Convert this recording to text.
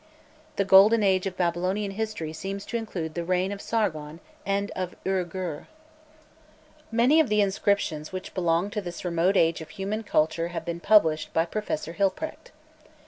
"The golden age of Babylonian history seems to include the reign of Sargon and of Ur Gur." Many of the inscriptions which belong to this remote age of human culture have been published by Professor Hilprecht.